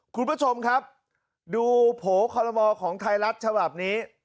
คุณผู้ชมครับดูโผลมของไทยรัติชาบนี้